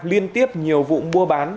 liên tiếp nhiều vụ mua bán